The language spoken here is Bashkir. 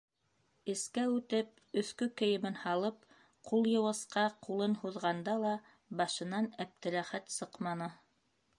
Эскә үтеп, өҫкө кейемен һалып, ҡулъйыуғысҡа ҡулын һуҙғанда ла башынан Әптеләхәт сыҡманы.